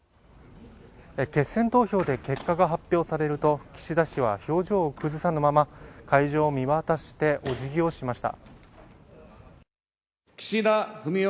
決選投票で結果が発表されると岸田氏は硬い表情のまま会場をぐるり見回してお辞儀をしました。